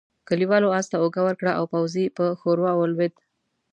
کليوالو آس ته اوږه ورکړه او پوځي پر ښوروا ولوېد.